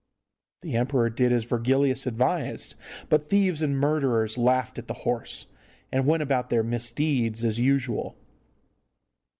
The emperor did as Virgilius advised, but thieves and murderers laughed at the horse, and went about their misdeeds as usual.